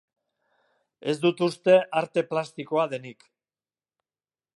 Ez dut uste arte plastikoa denik.